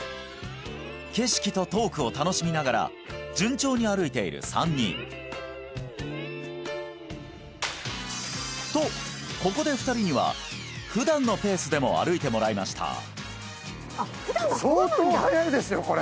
景色とトークを楽しみながら順調に歩いている３人とここで２人には普段のペースでも歩いてもらいました